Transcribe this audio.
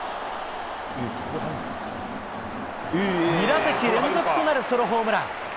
２打席連続となるソロホームラン。